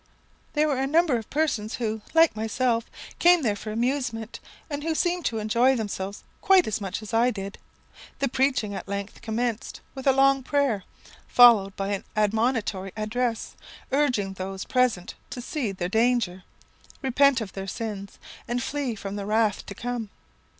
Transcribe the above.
"There were numbers of persons who, like myself, came there for amusement, and who seemed to enjoy themselves quite as much as I did. The preaching at length commenced with a long prayer, followed by an admonitory address, urging those present to see their danger, repent of their sins, and flee from the wrath to come.